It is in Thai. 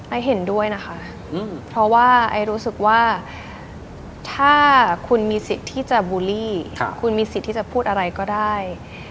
เห็นด้วยนะคะเพราะว่าไอ้รู้สึกว่าถ้าคุณมีสิทธิ์ที่จะบูลลี่คุณมีสิทธิ์ที่จะพูดอะไรก็ได้